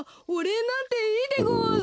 おれいなんていいでごわ。